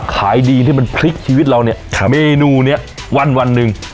ขายดียังที่มันพลิกชีวิตเรานี้ครับมีนูเนี้ยวันวันนึง